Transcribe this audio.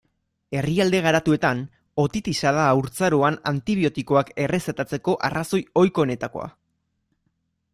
Herrialde garatuetan, otitisa da haurtzaroan antibiotikoak errezetatzeko arrazoi ohikoenetakoa.